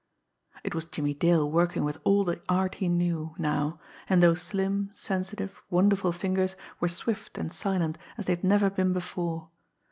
It was Jimmie Dale working with all the art he knew; now; and those slim, sensitive, wonderful fingers were swift and silent as they had never been before.